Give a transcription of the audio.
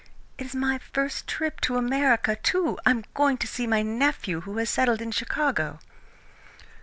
"It is my first trip to America, too. I am going out to see a nephew who has settled in Chicago."